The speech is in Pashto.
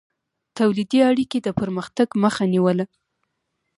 تولیدي اړیکې د پرمختګ مخه نیوله.